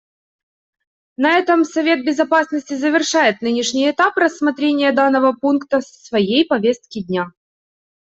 На этом Совет Безопасности завершает нынешний этап рассмотрения данного пункта своей повестки дня.